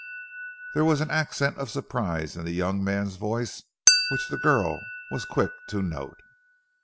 There was an accent of surprise in the young man's voice, which the girl was quick to note.